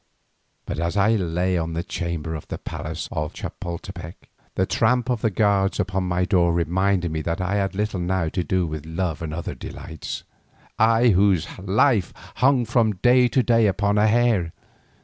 But as I lay in the chamber of the palace of Chapoltepec, the tramp of the guards without my door reminded me that I had little now to do with love and other delights, I whose life hung from day to day upon a hair.